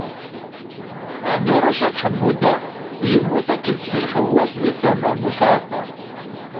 Ɛmiruc At Ḥemmuda yemmut akked Si Lḥessaw di tama n Busɛada.